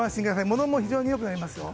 ものも非常に良くなりますよ。